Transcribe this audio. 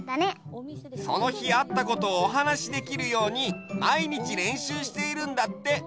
そのひあったことをおはなしできるようにまいにちれんしゅうしているんだって。